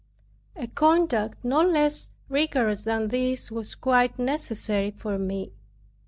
A conduct no less rigorous than this was quite necessary for me.